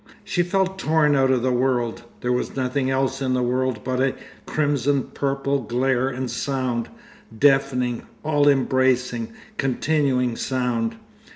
She felt torn out of the world. There was nothing else in the world but a crimson purple glare and sound, deafening, all embracing, continuing sound.